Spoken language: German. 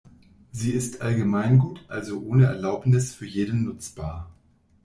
Sie ist Allgemeingut, also ohne Erlaubnis für jeden nutzbar.